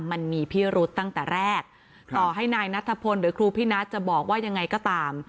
มันมีพิรุษตั้งแต่แรกต่อให้นายนัทพลหรือครูพี่นัทจะบอกว่ายังไงก็ตาม